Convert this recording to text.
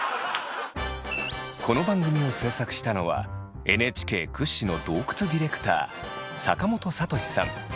この番組を制作したのはＮＨＫ屈指の洞窟ディレクター坂本敬さん。